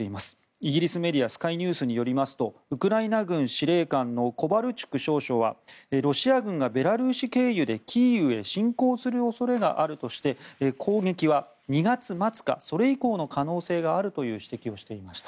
イギリスメディアスカイニュースによりますとウクライナ軍司令官のコバルチュク少将はロシア軍がベラルーシ経由でキーウへ侵攻する恐れがあるとして攻撃は２月末かそれ以降の可能性があるという指摘をしていました。